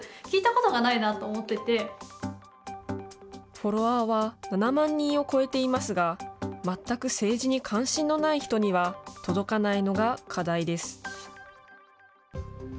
フォロワーは７万人を超えていますが、全く政治に関心のない人には届かないのが課題です。